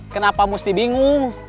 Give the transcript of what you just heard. kenapa mesti bingung